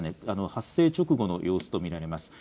発生直後の様子と見られます。